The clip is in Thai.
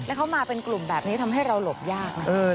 แล้วเขามาเป็นกลุ่มแบบนี้ทำให้เราหลบยากนะ